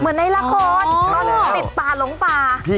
เหมือนในละคร